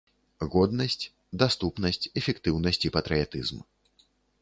Годнасць, даступнасць, эфектыўнасць і патрыятызм.